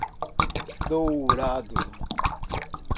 Dourado